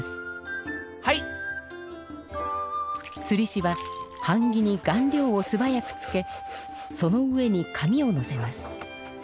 すりしははん木に顔料をすばやくつけその上に紙をのせます。